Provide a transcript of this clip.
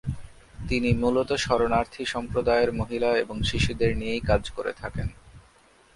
তিনি মূলত শরণার্থী সম্প্রদায়ের মহিলা এবং শিশুদের নিয়েই কাজ করে থাকেন।